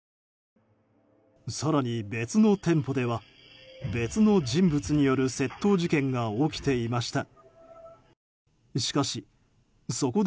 更に別の店舗では別の人物による窃盗事件が起きていました。